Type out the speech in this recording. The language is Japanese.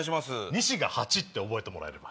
ニシがハチって覚えてもらえれば。